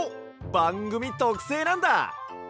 ばんぐみとくせいなんだ！